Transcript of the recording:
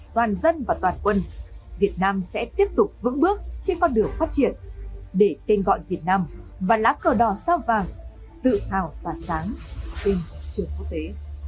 toàn dân và toàn quân việt nam sẽ tiếp tục vững bước trên con đường phát triển để tên gọi việt nam và lá cờ đỏ sao vàng tự hào tỏa sáng trên trường quốc tế